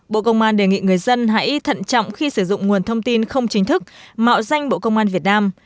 bộ công an đề nghị người dân hãy thận trọng khi sử dụng nguồn thông tin không chính thức mạo danh bộ công an việt nam